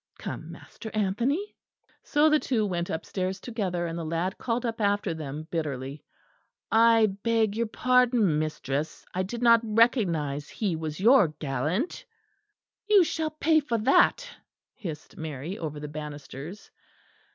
Come, Master Anthony." So the two went upstairs together, and the lad called up after them bitterly: "I beg your pardon, Mistress; I did not recognise he was your gallant." "You shall pay for that," hissed Mary over the banisters.